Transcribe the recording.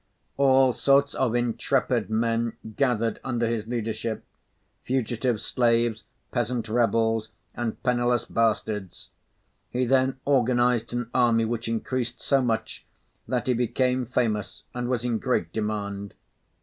All sorts of intrepid men gathered under his leadership, fugitive slaves, peasant rebels, and penniless bastards; he then organized an army which increased so much that he became famous and was in great demand.